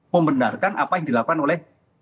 membenarkan apa yang dilakukan oleh